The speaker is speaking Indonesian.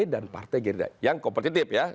dan partai gerindra yang kompetitif ya